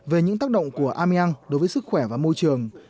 về những tác động của ameang đối với sức khỏe và môi trường